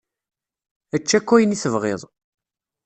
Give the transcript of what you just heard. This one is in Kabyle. Ečč akk ayen i tebɣiḍ.